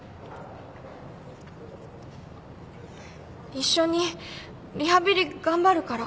一緒にリハビリ頑張るから。